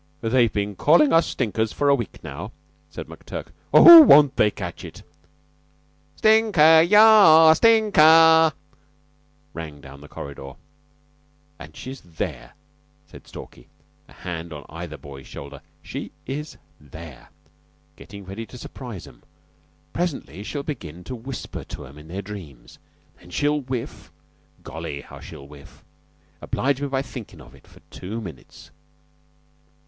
"They've been calling us stinkers for a week now," said McTurk. "Oh, won't they catch it!" "Stinker! Yah! Stink ah!" rang down the corridor. "And she's there," said Stalky, a hand on either boy's shoulder. "She is there, gettin' ready to surprise 'em. Presently she'll begin to whisper to 'em in their dreams. Then she'll whiff. Golly, how she'll whiff! Oblige me by thinkin' of it for two minutes."